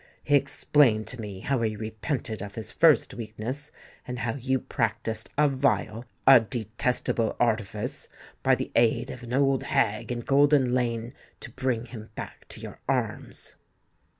He explained to me how he repented of his first weakness, and how you practised a vile—a detestable artifice, by the aid of an old hag in Golden Lane, to bring him back to your arms."